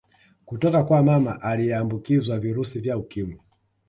Kutoka kwa mama aliyeambukizwa virusi vya Ukimwi